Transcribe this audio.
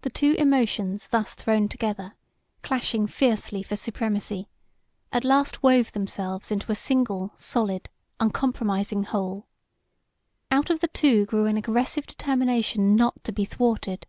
The two emotions thus thrown together, clashing fiercely for supremacy, at last wove themselves into a single, solid, uncompromising whole. Out of the two grew an aggressive determination not to be thwarted.